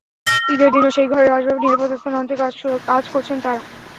ঈদের দিনও সেই ঘরের আসবাব নিরাপদ স্থান আনতে কাজ করেছেন তাঁরা।